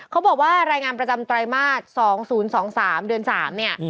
เขาบอกว่ารายงานประจำไตรมาส๒๐๒๓เดือน๓เนี่ย